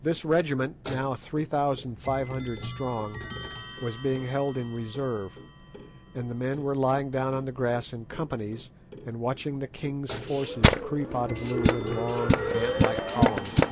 This regiment, now three thousand five hundred strong, was being held in reserve, and the men were lying down on the grass in companies, and watching the king's forces creep out of Loo in long ant like columns.